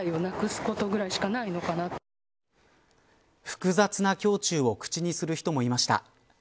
複雑な胸中を口にする人もいました。